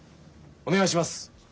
お願いします。